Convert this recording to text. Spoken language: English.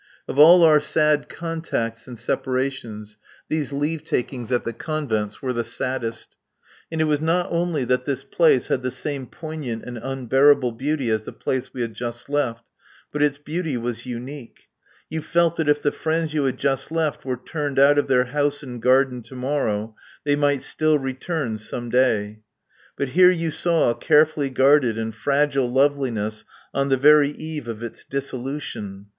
Of all our sad contacts and separations, these leave takings at the convents were the saddest. And it was not only that this place had the same poignant and unbearable beauty as the place we had just left, but its beauty was unique. You felt that if the friends you had just left were turned out of their house and garden to morrow, they might still return some day. But here you saw a carefully guarded and fragile loveliness on the very eve of its dissolution.